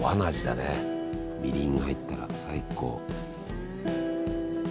みりんが入ったら最高。